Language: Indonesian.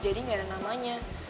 jadi gak ada namanya